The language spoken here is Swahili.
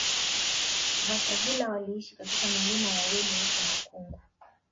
Vasavila waliishi katika milima ya Welu huko Makungu